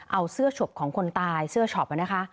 เอาเสื้อฉบของคนตายเสื้อช็อปนะคะ